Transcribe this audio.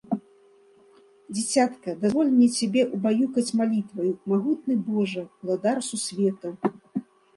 Дзіцятка, дазволь мне цябе ўбаюкаць малітваю: "Магутны Божа, Уладар Сусветаў..."